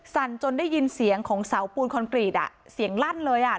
สั่นจนได้ยินเสียงของเสาปูนคอนกรีตเสียงลั่นเลยอ่ะ